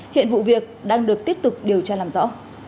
hiện vụ việc đang được tiếp tục điều tra làm rõ